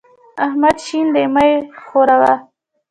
احمد شين دی؛ مه يې ښوروه.